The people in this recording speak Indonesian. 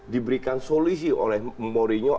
diberikan solusi oleh mourinho